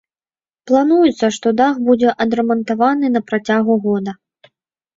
Плануецца, што дах будзе адрамантаваны на працягу года.